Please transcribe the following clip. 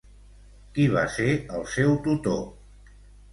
Qui va ser el seu tutor?